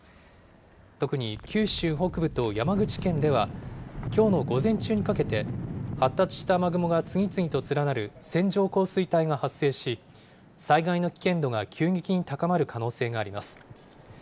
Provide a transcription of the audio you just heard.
特に九州北部と山口県では、きょうの午前中にかけて、発達した雨雲が次々と連なる線状降水帯が発生し、災害の危険度が急激に高まる可能性があります。